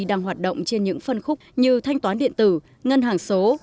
đang hoạt động trên những phân khúc như thanh toán điện tử ngân hàng số